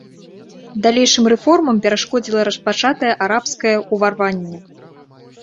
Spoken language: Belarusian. Далейшым рэформам перашкодзіла распачатае арабскае ўварванне.